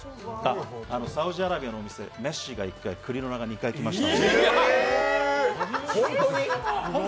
サウジアラビアのお店、メッシとクリロナが１回来ました。